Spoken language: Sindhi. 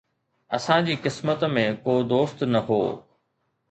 اسان جي قسمت ۾ ڪو دوست نه هو